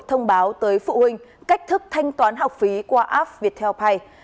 thông báo tới phụ huynh cách thức thanh toán học phí qua app viettelpay